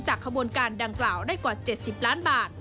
ขบวนการดังกล่าวได้กว่า๗๐ล้านบาท